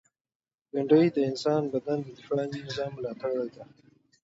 بېنډۍ د انساني بدن د دفاعي نظام ملاتړې ده